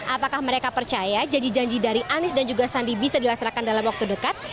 apakah mereka percaya janji janji dari anies dan juga sandi bisa dilaksanakan dalam waktu dekat